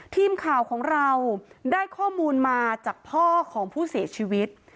ทีมข่าวของเราได้ข้อมูลมาจากพ่อของผู้เสียชีวิต